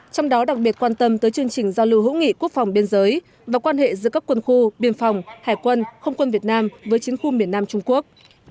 trong đó đặc biệt quan tâm tới chương trình giao lưu hữu nghị quốc phòng biên giới và quan hệ giữa các quân khu biên phòng hải quân không quân việt nam với chiến khu miền nam trung quốc